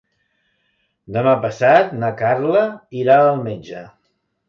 Demà passat na Carla irà al metge.